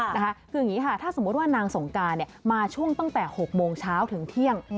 คืออย่างนี้ค่ะถ้าสมมุติว่านางสงการมาช่วงตั้งแต่๖โมงเช้าถึงเที่ยง